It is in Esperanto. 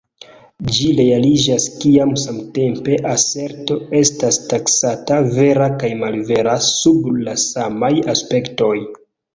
Ĝi realiĝas kiam samtempe aserto estas taksata vera kaj malvera sub la samaj aspektoj.